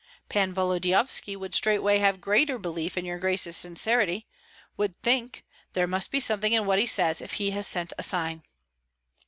"Pan Volodyovski would straightway have greater belief in your grace's sincerity; would think, 'There must be something in what he says if he has sent a sign.'"